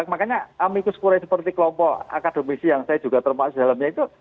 makanya amikus kure seperti kelompok akademisi yang saya juga termasuk dalamnya itu